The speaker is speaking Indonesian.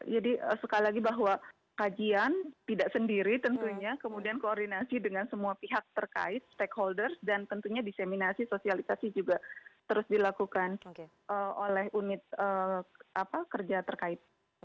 jadi sekali lagi bahwa kajian tidak sendiri tentunya kemudian koordinasi dengan semua pihak terkait stakeholders dan tentunya diseminasi sosialisasi juga terus dilakukan oleh unit kerja terkait